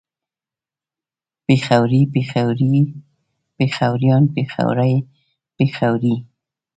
پېښوری پېښوري پېښوريان پېښورۍ پېښورې